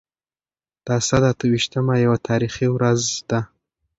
د اسد اته ويشتمه يوه تاريخي ورځ ده.